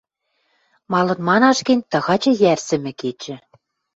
Малын манаш гӹнь, тагачы йӓрсӹмӹ кечӹ.